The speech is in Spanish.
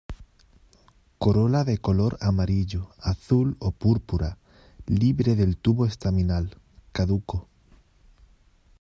Corola de color amarillo, azul o púrpura, libre del tubo estaminal, caduco.